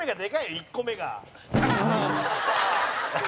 １個目が。